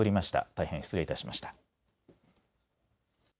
大変失礼いたしました。